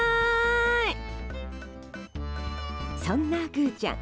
そんなグウちゃん